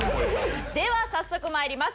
では早速参ります。